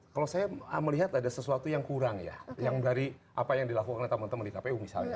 kalau saya melihat ada sesuatu yang kurang ya yang dari apa yang dilakukan oleh teman teman di kpu misalnya